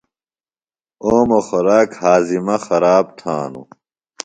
اوموۡ خوراک ہاضِمہ خراب تھانوۡ۔